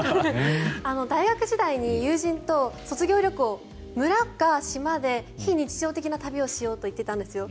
大学時代に友人と卒業旅行村か島で非日常的な旅をしようと言っていたんですよ。